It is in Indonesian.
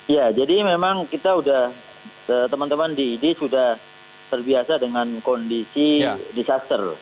ya jadi memang kita sudah teman teman di idi sudah terbiasa dengan kondisi disaster